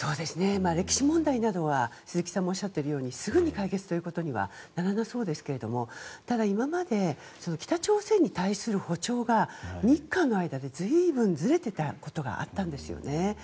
歴史問題などは鈴木さんもおっしゃっているようにすぐに解決ということにはならなそうですけどただ、今まで北朝鮮に対する歩調が日韓の間で随分ずれていたことがあるんですよね。